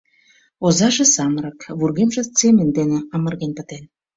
Озаже самырык, вургемже цемент дене амырген пытен.